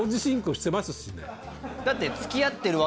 だって。